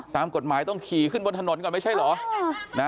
ตามกฎหมายต้องขี่ขึ้นบนถนนก่อนไม่ใช่เหรอ